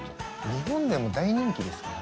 日本でも大人気ですからね。